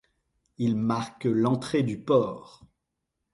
Il marque l'entrée du port.